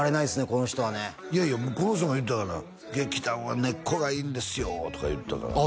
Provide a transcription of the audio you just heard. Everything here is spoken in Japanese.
この人はねいやいやこの人も言ったから「劇団は根っこがいいんですよ」とか言ったからああ